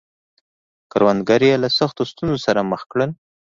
کروندګر یې له سختو ستونزو سره مخ کړل.